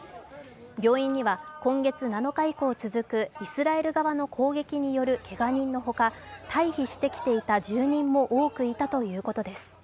病院には今月７日以降続くイスラエル側の攻撃によるけが人のほか退避してきていた住人も多くいたということです。